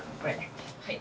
はい。